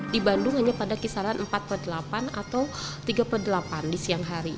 di bandung hanya pada kisaran empat delapan atau tiga delapan di siang hari